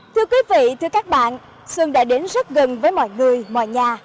thưa quý vị thưa các bạn xuân đã đến rất gần với mọi người mọi nhà